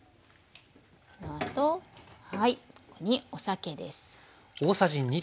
このあとここにお酒です。